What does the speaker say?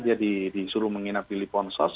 dia disuruh menginap di liponsos